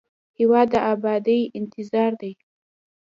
هېواد د ابادۍ انتظار دی.